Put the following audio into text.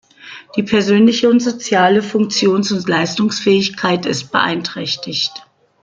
Die persönliche und soziale Funktions- und Leistungsfähigkeit ist beeinträchtigt.